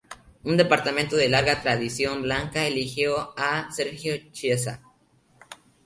Un departamento de larga tradición blanca, eligió a Sergio Chiesa.